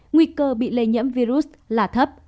nguy cơ bị lây nhẫm virus là thấp